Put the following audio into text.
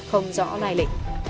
không rõ lai lịch